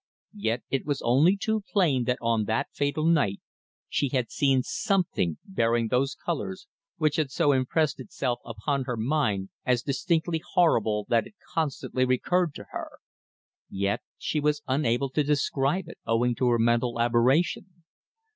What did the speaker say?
Yet it was only too plain that on that fatal night she had seen something bearing those colours which had so impressed itself upon her mind as distinctly horrible that it constantly recurred to her. Yet she was unable to describe it, owing to her mental aberration.